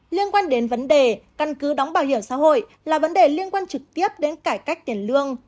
liên quan đến vấn đề căn cứ đóng bảo hiểm xã hội là vấn đề liên quan trực tiếp đến cải cách tiền lương